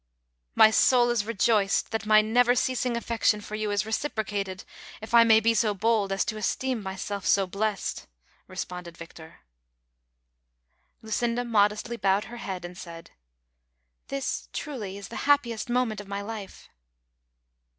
"My soul is rejoiced that my iiever ceasing affection for you is reciprocated, if I may be so bold as to esteem myself so blessed," responded Victor. THE CONSPIRATORS AXD LOVERS. 45 Lucinda modestly bowed her head and said :" This, truly, is the happiest moment of my life.